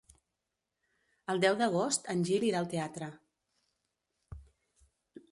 El deu d'agost en Gil irà al teatre.